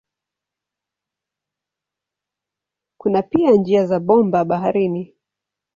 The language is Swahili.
Kuna pia njia za bomba baharini.